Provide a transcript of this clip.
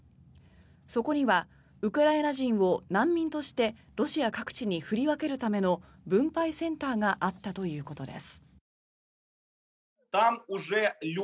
そこにはウクライナ人を難民としてロシア各地に振り分けるための分配センターがあったということです。